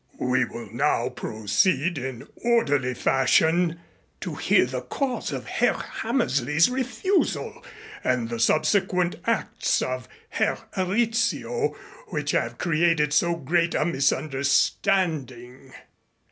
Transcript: We will now proceed in orderly fashion to hear the cause of Herr Hammersley's refusal and the subsequent acts of Herr Rizzio which have created so great a misunderstanding.